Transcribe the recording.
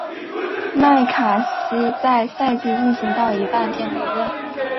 麦卡锡在赛季进行到一半便离任。